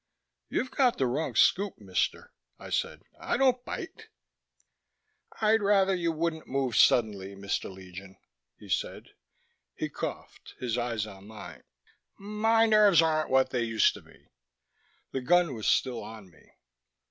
"You've got the wrong scoop, mister," I said. "I don't bite." "I'd rather you wouldn't move suddenly, Mr. Legion," he said. He coughed, his eyes on mine. "My nerves aren't what they used to be." The gun was still on me.